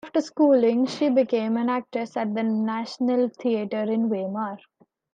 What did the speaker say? After schooling, she became an actress at the National Theatre in Weimar.